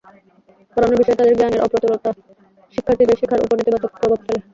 পড়ানোর বিষয়ে তাঁদের জ্ঞানের অপ্রতুলতা শিক্ষার্থীদের শেখার ওপর নেতিবাচক প্রভাব ফেলে।